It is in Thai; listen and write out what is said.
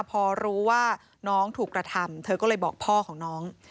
พอรู้ว่าน้องถูกกระทำเธอก็เลยบอกพ่อของน้อง